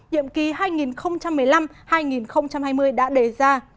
nhiệm kỳ hai nghìn một mươi năm hai nghìn hai mươi đã đề ra